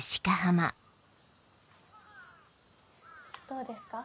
どうですか？